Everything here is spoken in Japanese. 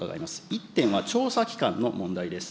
１点は調査機関の問題です。